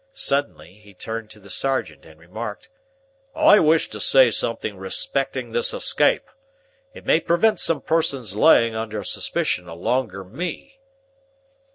Suddenly, he turned to the sergeant, and remarked,— "I wish to say something respecting this escape. It may prevent some persons laying under suspicion alonger me."